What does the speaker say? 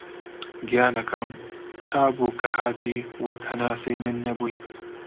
گیانەکەم! چابوو کە هاتی، وەک هەناسەی من نەبووی